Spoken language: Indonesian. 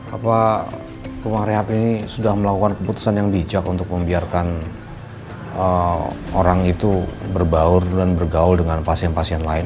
apa rumah rehab ini sudah melakukan keputusan yang bijak untuk membiarkan orang itu berbaur dan bergaul dengan pasien pasien lain